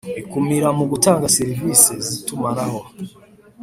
Ikumira mu gutanga serivisi zitumanaho